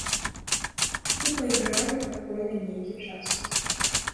Ну пайгралі падпольна нейкі час.